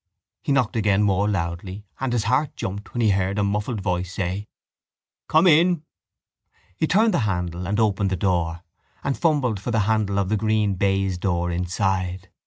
He knocked again more loudly and his heart jumped when he heard a muffled voice say: —Come in! He turned the handle and opened the door and fumbled for the handle of the green baize door inside.